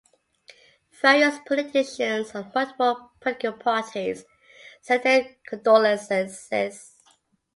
Various politicians of multiple political parties sent their condolences.